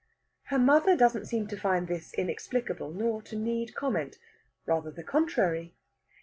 Her mother doesn't seem to find this inexplicable, nor to need comment. Rather the contrary.